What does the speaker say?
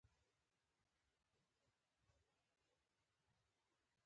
د کورنۍ یووالی د ځواک سرچینه ده.